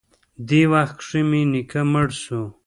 دې وخت کښې مې نيکه مړ سو.